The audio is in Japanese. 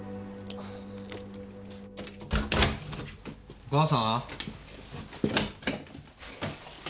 お母さん？